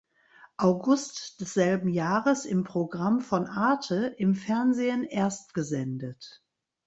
August desselben Jahres im Program von arte im Fernsehen erstgesendet.